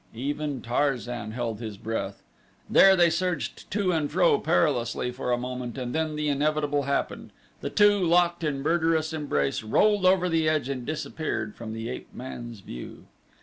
Even Tarzan held his breath. There they surged to and fro perilously for a moment and then the inevitable happened the two, locked in murderous embrace, rolled over the edge and disappeared from the ape man's view.